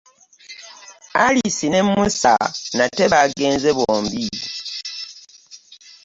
Alisi ne Musa nate baagenze bombi.